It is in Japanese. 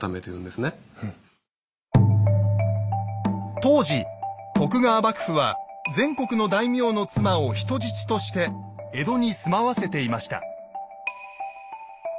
当時徳川幕府は全国の大名の妻を人質として江戸に住まわせていました。